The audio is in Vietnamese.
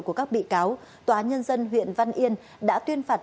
của các bị cáo tòa nhân dân huyện văn yên đã tuyên phạt